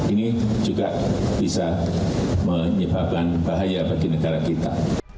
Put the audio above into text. ini juga bisa menyebabkan bahaya bagi negara kita